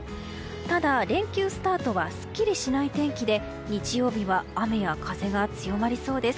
ただ、連休スタートはすっきりしない天気で日曜日は雨や風が強まりそうです。